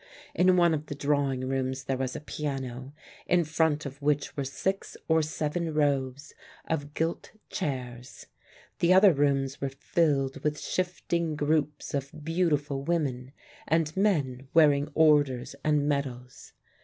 In one of the drawing rooms there was a piano, in front of which were six or seven rows of gilt chairs. The other rooms were filled with shifting groups of beautiful women, and men wearing orders and medals.